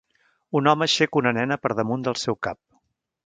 Un home aixeca una nena per damunt del seu cap.